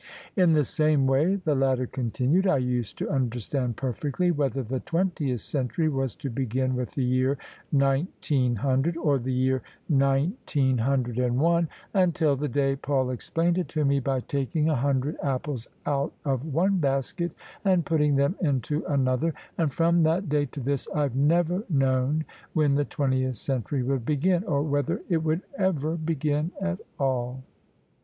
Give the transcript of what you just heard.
" In the same way," the latter continued, " I used to understand perfectly whether the twentieth century was to begin with the year nineteen hundred or the year nineteen OF ISABEL CARNABY hundred and one, untfl the day Paul explained it to me by taking a hundred apples out of one basket and putting them into another: and from that day to this I've never known when the twentieth century would begin— or whether it would ever begin at all."